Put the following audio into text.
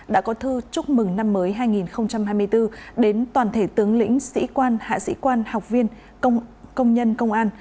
đã có thư chúc mừng năm mới hai nghìn hai mươi bốn đến toàn thể tướng lĩnh sĩ quan hạ sĩ quan học viên công nhân công an